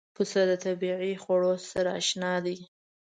پسه د طبیعي خوړو سره اشنا دی.